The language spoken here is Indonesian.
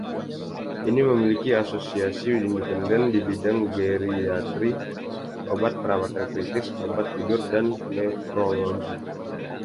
Ini memiliki asosiasi independen di bidang geriatri, obat perawatan kritis, obat tidur dan nefrologi.